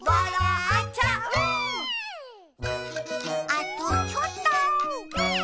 あとちょっと。